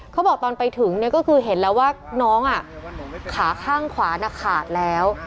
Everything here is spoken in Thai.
เขาบอกตอนไปถึงเนี่ยก็คือเห็นแล้วว่าน้องขาข้างขวาน่ะขาดแล้ว